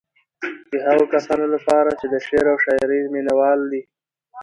د هغو کسانو لپاره چې د شعر او شاعرۍ مينوال دي.